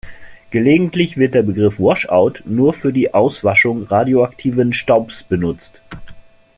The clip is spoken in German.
Gelegentlich wird der Begriff "Wash-out" nur für die Auswaschung radioaktiven Staubs benutzt.